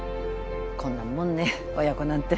こんなもんね親子なんて。